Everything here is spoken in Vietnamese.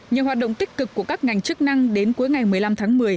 nhờ hoạt động tích cực của các ngành chức năng đến cuối ngày một mươi năm tháng một mươi